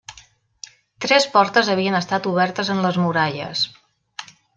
Tres portes havien estat obertes en les muralles.